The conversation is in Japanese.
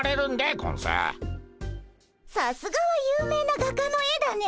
さすがは有名な画家の絵だね。